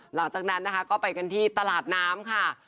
หลังจากนั้นนะคะก็ไปกันที่ตลาดน้ำค่ะ